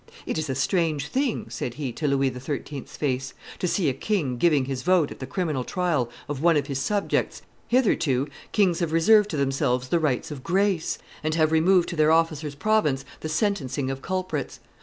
"It is a strange thing," said he to Louis XIII.'s face, to see a king giving his vote at the criminal trial of one of his subjects; hitherto kings have reserved to themselves the rights of grace, and have removed to their officers' province the sentencing of culprits.